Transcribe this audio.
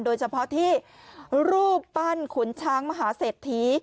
โดยเฉพาะที่รูปปั้นขุนช้างมหาเศรษฐี